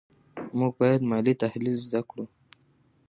موږ باید مالي تحلیل زده کړو.